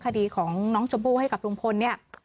คดีของน้องชมพู่ให้กับลุงพลเนี่ย